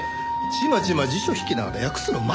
ちまちま辞書引きながら訳すの待っ